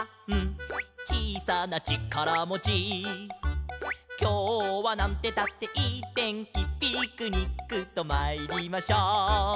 「ちいさなちからもち」「きょうはなんてったっていいてんき」「ピクニックとまいりましょう」